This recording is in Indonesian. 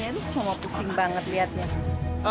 aduh semua pusing banget liatnya